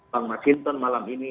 pak mas hinton malam ini